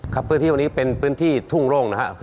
พื้นที่วันนี้เป็นพื้นที่ทุ่งโร่งนะครับ